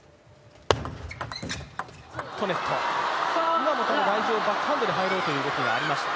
今も台上、バックハンドで入ろうという動きがありました。